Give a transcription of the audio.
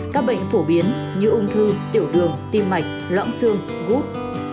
các bệnh phổ biến như ung thư tiểu đường tim mạch lõm xương gút